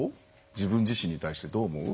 自分自身に対してどう思う？